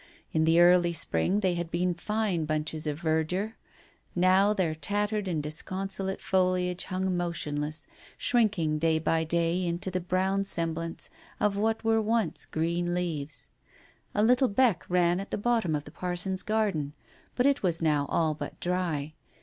In the early spring they had been fine bunches of verdure. Now their tattered and disconsolate foliage hung motionless, shrinking day by day into the brown semblance of what were once green leaves, A little beck ran at the bottom of the parson f 9 215 Digitized by Google 2i6 TALES OF THE UNEASY garden, but it was now all but dry.